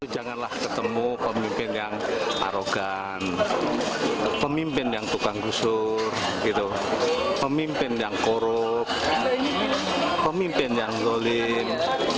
janganlah ketemu pemimpin yang arogan pemimpin yang tukang gusur pemimpin yang korup pemimpin yang zolim